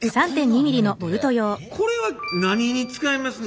これは何に使いますの？